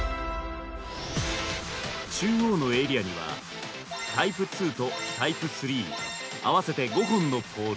中央のエリアにはタイプ２とタイプ３合わせて５本のポール。